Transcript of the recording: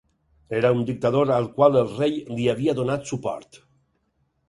Era un dictador al qual el rei li havia donat suport.